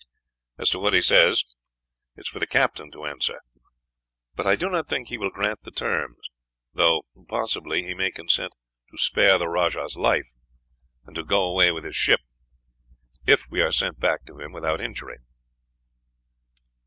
As to what he says, it is for the captain to answer; but I do not think that he will grant the terms, though possibly he may consent to spare the rajah's life, and to go away with his ship, if we are sent back to him without injury."